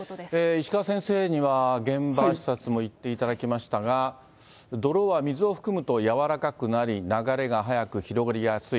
石川先生には現場視察も行っていただきましたが、泥は水を含むと軟らかくなり、流れが速く広がりやすい。